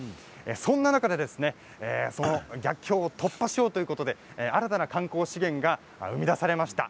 そんな中で逆境を突破しようということで新たな観光資源が生み出されました。